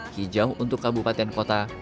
hijau untuk kabupaten kota